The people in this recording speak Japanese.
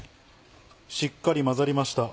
しっかり混ざりました。